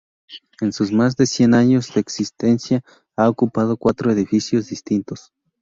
En sus más de cien años de existencia, ha ocupado cuatro edificios distintos.